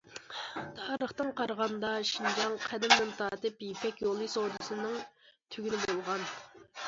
تارىختىن قارىغاندا، شىنجاڭ قەدىمدىن تارتىپ يىپەك يولى سودىسىنىڭ تۈگۈنى بولغان.